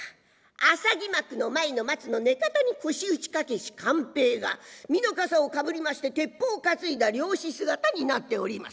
浅黄幕の前の松の根方に腰打ちかけし勘平が蓑笠をかぶりまして鉄砲を担いだ猟師姿になっております。